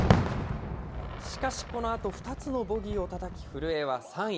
しかし、このあと２つのボギーをたたき、古江は３位。